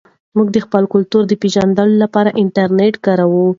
موږ د خپل کلتور د پېژندلو لپاره انټرنیټ کاروو.